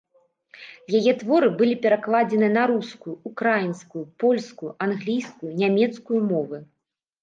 Яе творы былі перакладзены на рускую, украінскую, польскую, англійскую, нямецкую мовы.